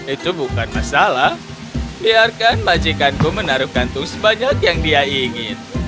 itu bukan masalah biarkan majikanku menaruh kantung sebanyak yang dia ingin